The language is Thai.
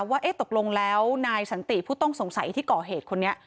ว่าตกลงแล้วนายสันติผู้ต้องสงสัยที่ก่อเหตุคนนี้